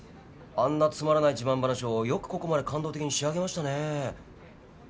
あんなつまらない自慢話をよくここまで感動的に仕上げましたねえ。